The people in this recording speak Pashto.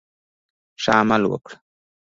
ښه عمل وکړه.